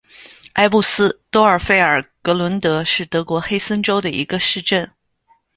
埃布斯多尔费尔格伦德是德国黑森州的一个市镇。